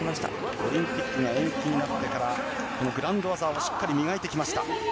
オリンピックが延期になってからグラウンド技をしっかり磨いてきました。